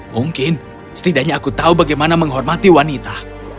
mungkin setidaknya aku tahu bagaimana menghormati wanita